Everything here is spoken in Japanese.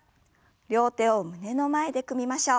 両手を胸の前で組みましょう。